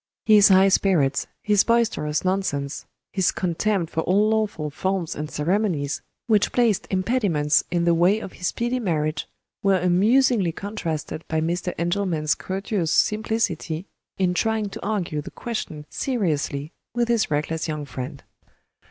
His high spirits, his boisterous nonsense, his contempt for all lawful forms and ceremonies which placed impediments in the way of his speedy marriage, were amusingly contrasted by Mr. Engelman's courteous simplicity in trying to argue the question seriously with his reckless young friend.